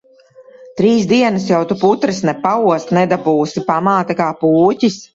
Trīs dienas jau tu putras ne paost nedabūsi. Pamāte kā pūķis.